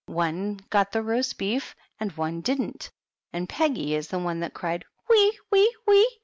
One got the roast beef, and one didn't ; and Peggy is the one that cried ' wee ! wee ! wee!'